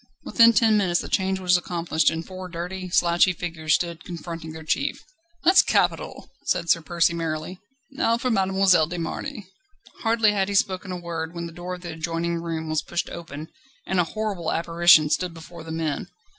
Within ten minutes the change was accomplished, and four dirty, slouchy figures stood confronting their chief. "That's capital!" said Sir Percy merrily. "Now for Mademoiselle de Marny." Hardly had he spoken when the door of the adjoining room was pushed open, and a horrible apparition stood before the men.